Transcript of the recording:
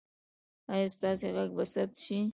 ایا ستاسو غږ به ثبت شي؟